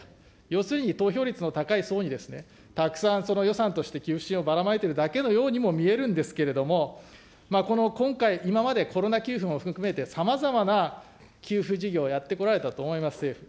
要するに投票率の高い層にたくさん、その予算として給付金をばらまいているだけのようにも見えるんですけれども、この今回、今まで、コロナ給付も含めてさまざまな給付事業やってこられたと思います、政府。